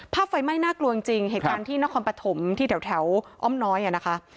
ไฟไหม้น่ากลัวจริงเหตุการณ์ที่นครปฐมที่แถวอ้อมน้อยอ่ะนะคะ